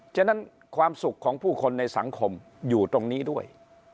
ฉะนั้นความสุขของผู้คนในสังคมอยู่ตรงนี้ด้วย